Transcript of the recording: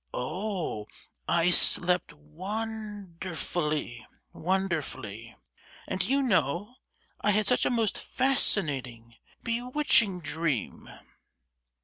"Oh, I slept won—derfully, wonderfully? And do you know, I had such a most fascinating, be—witching dream!"